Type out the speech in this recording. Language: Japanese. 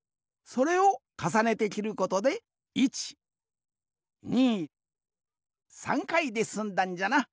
それをかさねてきることで１２３回ですんだんじゃな。